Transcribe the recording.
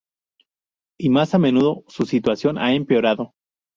Y más a menudo su situación ha empeorado.